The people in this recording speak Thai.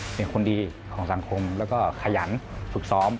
เป็นคนดีของสังคมแล้วก็ขยันฝึกซ้อม